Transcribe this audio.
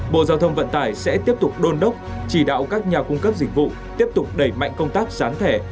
bộ giao thông vận tải sẽ tiếp tục đôn đốc chỉ đạo các nhà cung cấp dịch vụ tiếp tục đẩy mạnh công tác gián thẻ